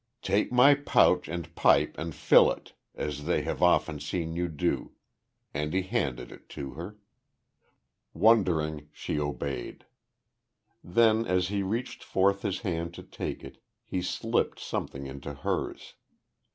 "Take my pouch and pipe, and fill it, as they have often seen you do," and he handed it to her. Wondering, she obeyed. Then as he reached forth his hand to take it, he slipped something into hers.